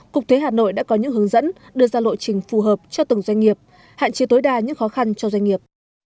cục thuế hà nội đã có những hướng dẫn đưa ra lộ trình phù hợp cho từng doanh nghiệp hạn chế tối đa những khó khăn cho doanh nghiệp